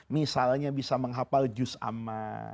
misalnya bisa menghafal juz'ama